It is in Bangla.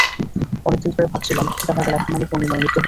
অনেক দিন ধরে ভাবছিলাম চিতাবাঘের আক্রমণে পূর্ণিমার মৃত্যু হয়েছে।